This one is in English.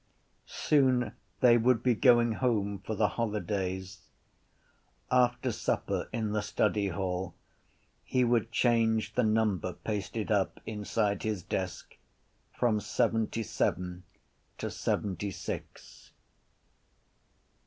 Soon they would be going home for the holidays. After supper in the study hall he would change the number pasted up inside his desk from seventyseven to seventysix.